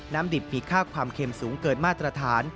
ดิบมีค่าความเค็มสูงเกินมาตรฐาน